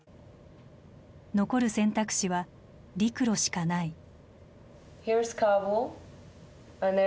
残る選択肢は陸路しかない。